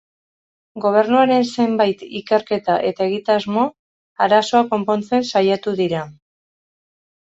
Gobernuaren zenbait ikerketa eta egitasmo, arazoa konpontzen saiatu dira.